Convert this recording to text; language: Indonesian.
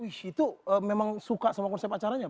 wih itu memang suka sama konsep acaranya